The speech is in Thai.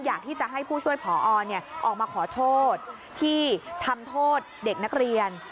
อยากที่จะให้ผู้ช่วยผอออกมาขอโทษที่ทำโทษเด็กนักเรียน